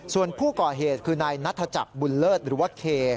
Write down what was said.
ส่วนผู้ก่อเหตุคือนายนัทจักรบุญเลิศหรือว่าเค